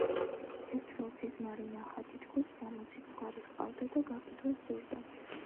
ერთხელ სიზმარი ნახა თითქოს სამოცი ცხვარი ჰყავდა და გაყიდვა სურდა